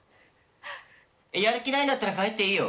やる気ないんだったら帰っていいよ。